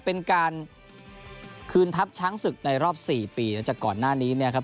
เป็นการคืนทัพช้างศึกในรอบ๔ปีหลังจากก่อนหน้านี้เนี่ยครับ